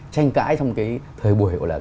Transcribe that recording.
tranh cãi trong cái thời buổi